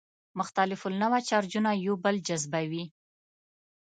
مختلف النوع چارجونه یو بل جذبوي.